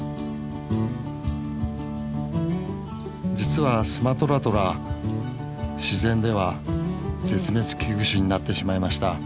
実はスマトラトラ自然では絶滅危惧種になってしまいました。